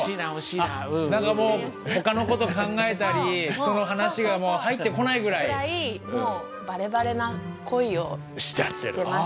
何かもうほかの事考えたり人の話が入ってこないぐらい。ぐらいもうバレバレな恋をしてます。